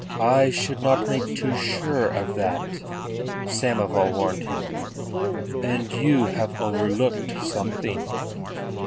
"I should not make too sure of that," Samoval warned him. "And you have overlooked something."